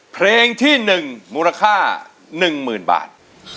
เพลงที่๑มูลค่า๑๐๐๐บาท